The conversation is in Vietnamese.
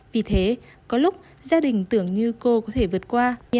vì thế có lúc gia đình tưởng như cô có thể vượt qua